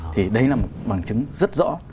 thì đây là một bằng chứng rất rõ